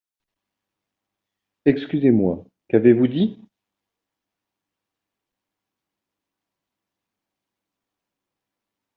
Excusez-moi, qu’avez-vous dit ?